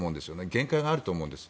限界があると思うんです。